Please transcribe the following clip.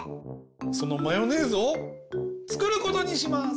そのマヨネーズをつくることにします！